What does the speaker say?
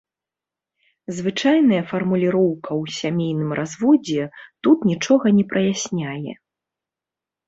Звычайная фармуліроўка ў сямейным разводзе тут нічога не праясняе.